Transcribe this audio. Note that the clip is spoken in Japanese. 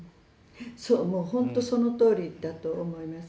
そうもう本当そのとおりだと思います